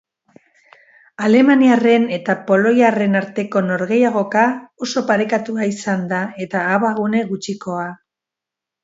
Alemaniarren eta poloiarren arteko norgehiagoka oso parekatua izan da, eta abagune gutxikoa.